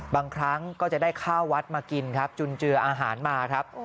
บางครั้งก็จะได้ข้าววัดมากินครับจุนเจืออาหารมาครับ